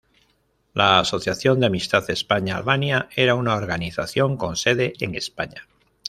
La Asociación de Amistad España-Albania era una organización con sede en España.